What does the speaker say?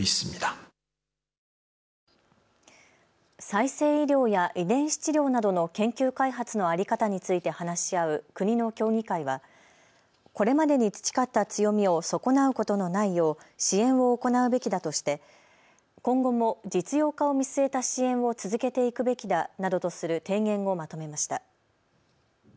再生医療や遺伝子治療などの研究開発の在り方について話し合う国の協議会はこれまでに培った強みを損なうことのないよう支援を行うべきだとして今後も実用化を見据えた支援を続けていくべきだなどとする提言をまとめました。